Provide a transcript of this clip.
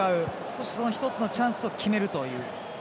そして、その１つのチャンスを決めるという。